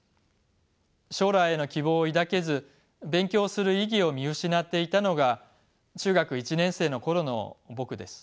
将来への希望を抱けず勉強する意義を見失っていたのが中学１年生の頃の僕です。